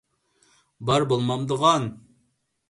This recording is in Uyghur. بار، بولمامدىغان.